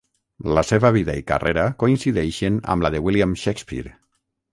La seva vida i carrera coincideixen amb la de William Shakespeare.